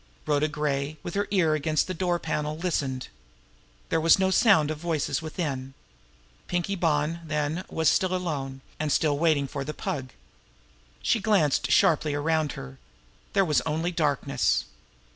Rhoda Gray, with her ear against the door panel, listened. There was no sound of voices from within. Pinkie Bonn, then, was still alone, and still waiting for the Pug. She glanced sharply around her. There was only darkness.